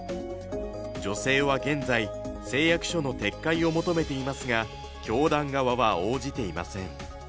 女性は現在誓約書の撤回を求めていますが教団側は応じていません。